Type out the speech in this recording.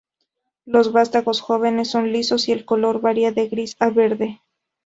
Los vástagos jóvenes son lisos y el color varía de gris a verde.